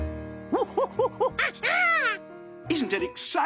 ア！ホホホ。